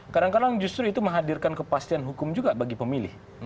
kadang kadang justru itu menghadirkan kepastian hukum juga bagi pemilih